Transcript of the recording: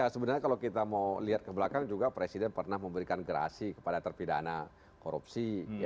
sebenarnya kalau kita mau lihat ke belakang juga presiden pernah memberikan gerasi kepada terpidana korupsi